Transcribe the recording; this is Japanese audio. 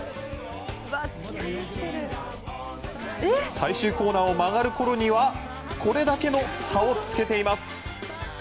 最終コーナーを曲がるころにはこれだけの差をつけています。